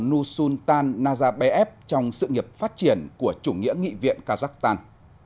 nusultan nazarbayev trong sự nghiệp phát triển của chủ nghĩa nghị viện kazakhstan